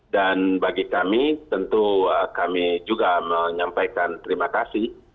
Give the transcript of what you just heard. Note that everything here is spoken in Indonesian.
dan bagi kami tentu kami juga menyampaikan terima kasih